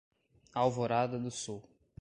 Alvorada do Sul